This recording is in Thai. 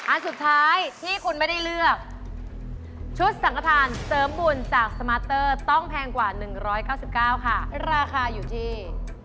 อันสุดท้ายที่คุณไม่ได้เลือกชุดสังขทานเสริมบุญจากสมาร์เตอร์ต้องแพงกว่า๑๙๙ค่ะราคาอยู่ที่